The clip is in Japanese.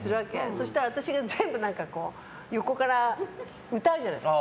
そしたら、私が全部横から歌うじゃないですか。